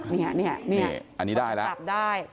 นี่อันนี้ได้แล้วจับได้